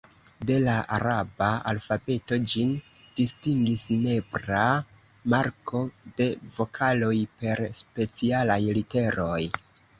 De la araba alfabeto ĝin distingis nepra marko de vokaloj per specialaj literoj.